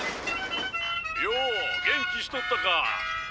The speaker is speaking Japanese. よお元気しとったか。